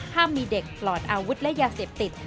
มีเด็กปลอดอาวุธและยาเสพติด